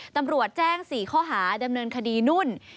ตำรวจแจ้ง๔ข้อหาดำเนินคดีนุ่น